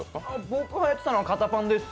僕がやってたのは肩パンです。